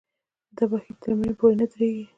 دا بهیر تر مړینې پورې نه درېږي.